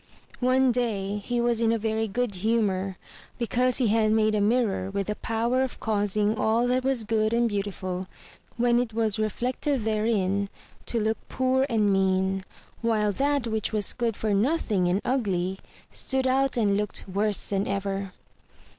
One day he was in a very good humor be cause he had made a mirror with the power of causing all that was good and beautiful, when it was reflected therein, to look poor and mean; while that which was good for nothing and ugly, stood out and looked worse than ever.